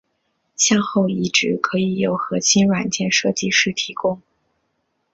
向后移植可以由核心软件设计师提供。